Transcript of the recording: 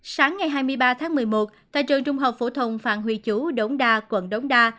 sáng ngày hai mươi ba tháng một mươi một tại trường trung học phổ thông phạm huy chú đống đa quận đống đa